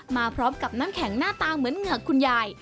มาพร้อมกับน้ำแข็งหน้าตาเหมือนเหงือกคุณยาย